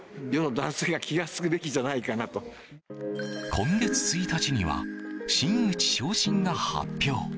今月１日には真打昇進が発表。